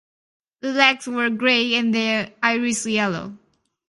The legs were grey and the iris yellow.